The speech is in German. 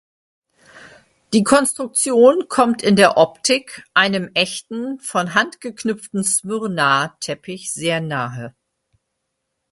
Die Konstruktion kommt in der Optik einem echten, von Hand geknüpften Smyrna-Teppich sehr nahe.